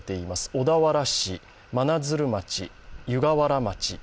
小田原市、真鶴町、湯河原駅。